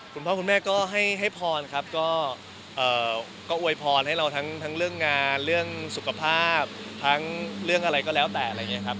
คุณพ่อคุณแม่ก็ให้พรครับก็อวยพรให้เราทั้งเรื่องงานเรื่องสุขภาพทั้งเรื่องอะไรก็แล้วแต่อะไรอย่างนี้ครับ